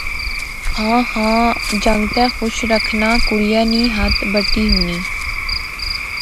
ہاں خاں، جنگتے خوش رکھنا کڑیا نی ہتھ بٹی ہونی